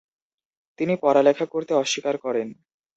তিনি পড়ালেখা করতে অস্বীকার করেন।